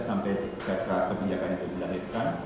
sampai kebijakan yang dilahirkan